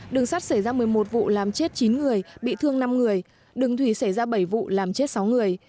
đường sắt xảy ra một mươi một vụ làm chết chín người bị thương năm người đường thủy xảy ra bảy vụ làm chết sáu người